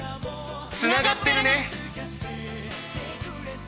つながってるね！